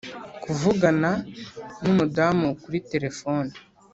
kuvugana nu mudamu kuri telefone